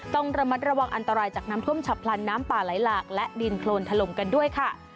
ต้องระมัดระวังอันตรายจากน้ำท่วมฉับพลันน้ำป่าไหลหลากและดินโครนถล่มกันด้วยค่ะ